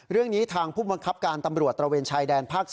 เรื่องนี้ทางผู้บังคับการตำรวจตระเวนชายแดนภาค๒